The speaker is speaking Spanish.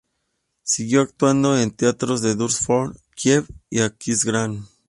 Siguió actuando en teatros de Düsseldorf, Kiel y Aquisgrán.